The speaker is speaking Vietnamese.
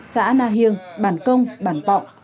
xã na hiêng bản công bản bọng